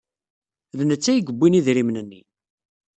D netta ay yewwin idrimen-nni.